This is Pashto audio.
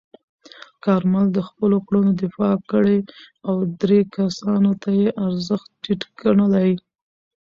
کارمل د خپلو کړنو دفاع کړې او درې کسانو ته یې ارزښت ټیټ ګڼلی.